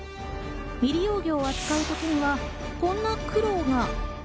未利用魚を扱う時にはこんな苦労が。